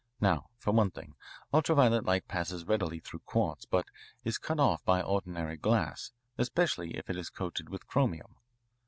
Now, for one thing, ultra violet light passes readily through quartz, but is cut off by ordinary glass, especially if it is coated with chromium.